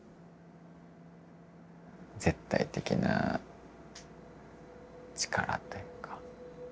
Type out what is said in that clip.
絶対的な力というか。